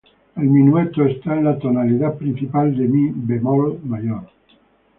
El minueto está en la tonalidad principal de "mi bemol mayor".